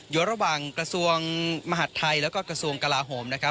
อยู่ระหว่างกระทรวงมหาดไทยแล้วก็กระทรวงกลาโหมนะครับ